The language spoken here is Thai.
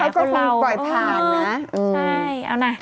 เขาคงคงตรอยทางนะ